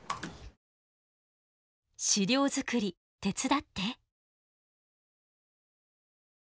「資料作り手伝って」。